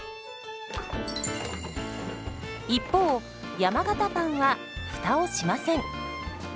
一方山型パンはフタをしません。